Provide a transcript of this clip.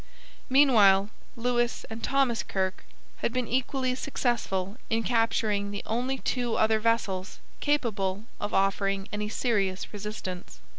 Meanwhile, Lewis and Thomas Kirke had been equally successful in capturing the only two other vessels capable of offering any serious resistance.